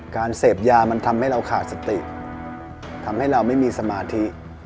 การเสพยามันทำให้เราขาดสติทำให้เราไม่มีสมาธิ